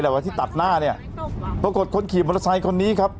วันที่ตัดหน้าเนี่ยปรากฏคนขี่มอเตอร์ไซค์คนนี้ครับ